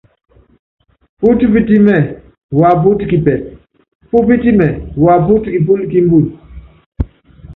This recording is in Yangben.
Putipitimɛ mapɔt kipɛp, pupitimɛ wapɔt kipɔl ki mbuny.